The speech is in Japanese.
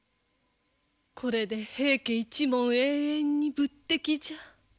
これで平家一門永遠に仏敵じゃ。